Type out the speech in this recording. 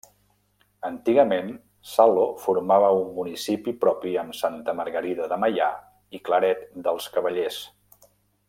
Antigament Salo formava un municipi propi amb Santa Margarida de Meià i Claret dels Cavallers.